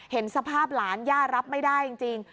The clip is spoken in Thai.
เห็นสภาพหลานย่ารับไม่ได้จริง